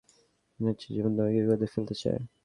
মনে হচ্ছে জীবন তোমাকে বিপদে ফেলতে চায়।